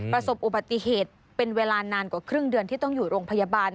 ประสบอุบัติเหตุเป็นเวลานานกว่าครึ่งเดือนที่ต้องอยู่โรงพยาบาล